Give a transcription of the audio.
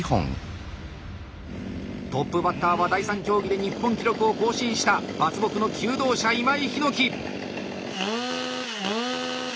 トップバッターは第３競技で日本記録を更新した伐木の求道者・今井陽樹。